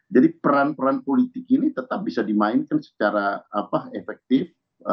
jadi peran peran politik ini tetap bisa dimainkan secara efektif